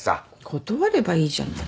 断ればいいじゃない。